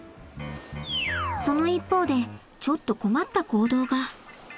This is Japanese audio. その一方でちょっと困った行動が。